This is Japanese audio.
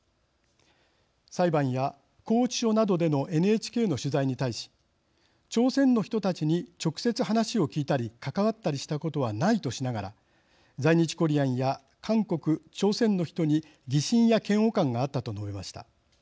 裁判や拘置所などでのＮＨＫの取材に対し「朝鮮の人たちに直接話を聞いたり関わったりしたことはない」としながら「在日コリアンや韓国朝鮮の人に疑心や嫌悪感があった」と述べました。